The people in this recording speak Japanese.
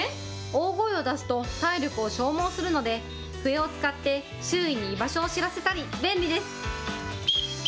大声を出すと、体力を消耗するので、笛を使って、周囲に居場所を知らせたり、便利です。